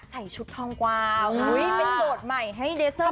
ใส่ชุดทองกวาวเป็นโดดใหม่